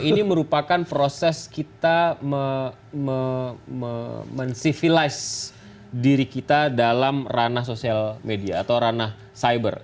ini merupakan proses kita men civilize diri kita dalam ranah sosial media atau ranah cyber